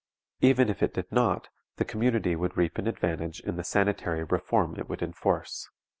Even if it did not, the community would reap an advantage in the sanitary reform it would enforce.